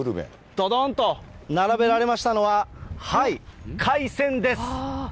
どどんと並べられましたのは、海鮮です。